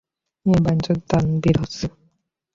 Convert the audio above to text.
এই বাইঞ্চোদ দানবীর হচ্ছে।